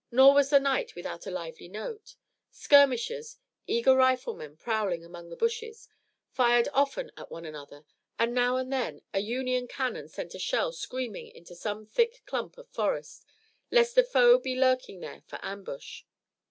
Nor was the night without a lively note. Skirmishers, eager riflemen prowling among the bushes, fired often at one another, and now and then a Union cannon sent a shell screaming into some thick clump of forest, lest a foe be lurking there for ambush.